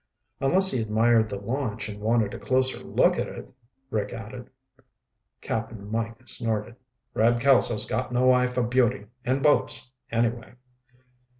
"Unless he admired the launch and wanted a closer look at it," Rick added. Cap'n Mike snorted. "Red Kelso's got no eye for beauty, in boats, anyway."